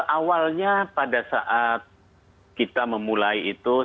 awalnya pada saat kita memulainya